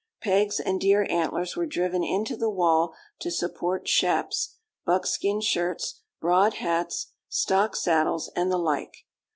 Pegs and deer antlers were driven into the wall to support shaps, buckskin shirts, broad hats, stock saddles, and the like.